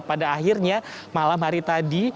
pada akhirnya malam hari tadi